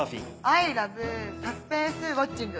アイラブサスペンスウオッチング！